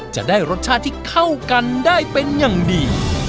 จะได้รสชาติที่เข้ากันได้เป็นอย่างดี